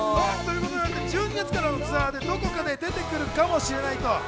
１２月からのツアーのどこかで出てくるかもしれない。